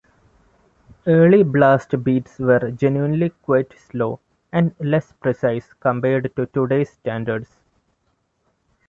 Early blast beats were generally quite slow and less precise compared to today's standards.